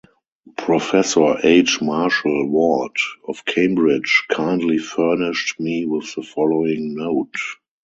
Professor H. Marshall Ward of Cambridge kindly furnished me with the following note.